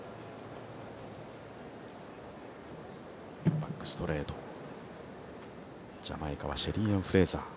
バックストレート、ジャマイカはシェリーアン・フレイザー。